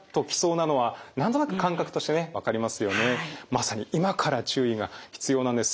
まさに今から注意が必要なんです。